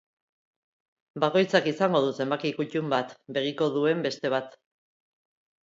Bakoitzak izango du zenbaki kuttun bat, begiko duen beste bat.